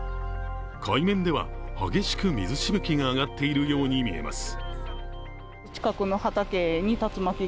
海面では、激しく水しぶきが上がっているように見えます。